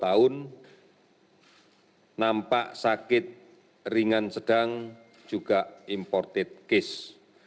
dua puluh tahun nampak sakit ringan sedang juga imported case